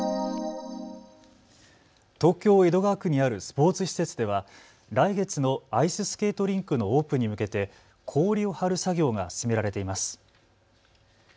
東京江戸川区にあるスポーツ施設では来月のアイススケートリンクのオープンに向けて氷を張る作業が進められています。